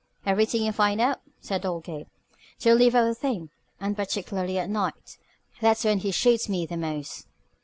"Everything you find out," said old Gabe. "Don't leave out a thing. And particularly at night. That's when he shoots me the most."